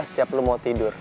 setiap lo mau tidur